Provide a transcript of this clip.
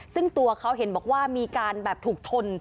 ซึ่งตัวเขาเห็นบอกว่ามีการแบบถูกชน